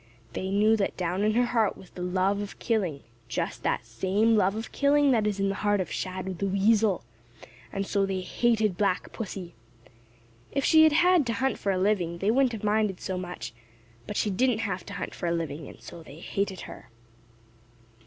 They knew that down in her heart was the love of killing, just that same love of killing that is in the heart of Shadow the Weasel, and so they hated Black Pussy. If she had had to hunt for a living, they wouldn't have minded so much, but she didn't have to hunt for a living, and so they hated her.